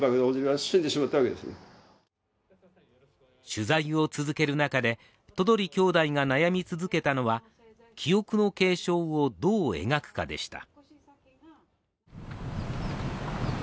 取材を続ける中で都鳥兄弟が悩み続けたのは、記憶の継承をどう描くかでした。